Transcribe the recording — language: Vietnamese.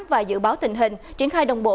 và dự báo tình hình triển khai đồng bộ